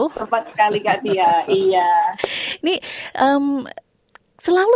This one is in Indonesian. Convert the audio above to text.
tepat sekali kak tia iya